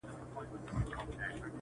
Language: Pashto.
پټیږي که امي دی که مُلا په کرنتین کي.!